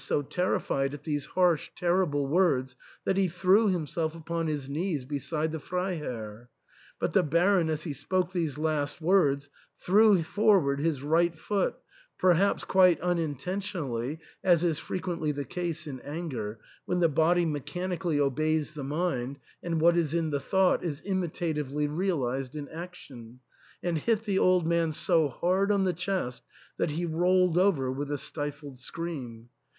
279 so terrified at these harsh terrible words that he threw himself upon his knees beside the Freiherr ; but the Baron, as he spoke these last words, threw forward his right foot, perhaps quite unintentionally (as is fre quently the case in anger, when the body mechanically obeys the mind, and what is in the thought is imita tively realised in action) and hit the old man so hard on the chest that he rolled over with a stifled scream.